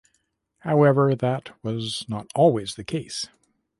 However that was not always the case.